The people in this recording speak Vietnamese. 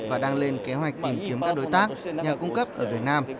và đang lên kế hoạch tìm kiếm các đối tác nhà cung cấp ở việt nam